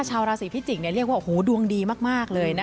ชาวราศีพิจิกเนี่ยเรียกว่าโอ้โหดวงดีมากเลยนะ